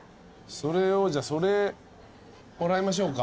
じゃあそれもらいましょうか。